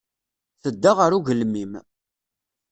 Tedda ɣer ugelmim.